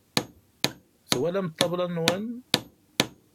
Twalam ṭṭabla-nwen?